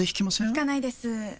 ひかないです。